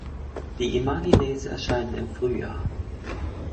Die Imagines erscheinen im Frühjahr.